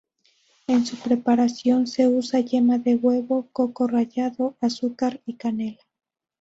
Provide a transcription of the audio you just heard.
En su preparación se usa yema de huevo, coco rallado, azúcar y canela.